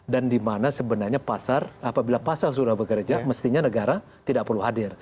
dan dimana sebenarnya pasar apabila pasar sudah bekerja mestinya negara tidak perlu hadir